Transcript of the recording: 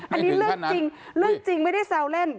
อันนี้เรื่องจริงเรื่องจริงไม่ได้แซวเล่น